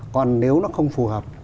còn nếu nó không phù hợp